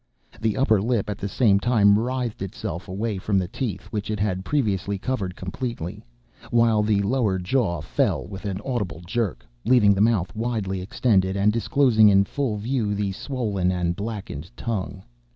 The upper lip, at the same time, writhed itself away from the teeth, which it had previously covered completely; while the lower jaw fell with an audible jerk, leaving the mouth widely extended, and disclosing in full view the swollen and blackened tongue.